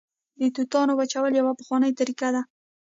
د توتانو وچول یوه پخوانۍ طریقه ده